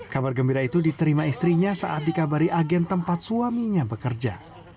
kabar gembira itu diterima istrinya saat dikabari agen tempat suaminya bekerja